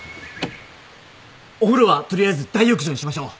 お風呂は取りあえず大浴場にしましょう。